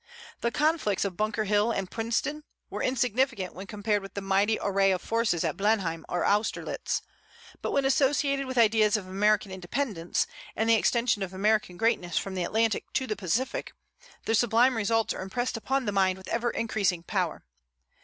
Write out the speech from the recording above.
The conflicts of Bunker Hill and Princeton were insignificant when compared with the mighty array of forces at Blenheim or Austerlitz; but when associated with ideas of American independence, and the extension of American greatness from the Atlantic to the Pacific, their sublime results are impressed upon the mind with ever increasing power.